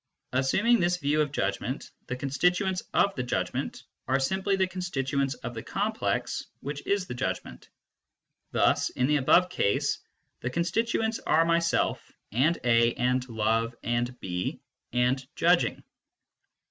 Assuming this view of judgment, the constituents of the judgment are simply the constituents of the complex which is the judgment. Thus, in the above case, the constituents are myself and A and love and B and judging.